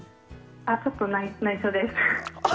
ちょっと内緒です。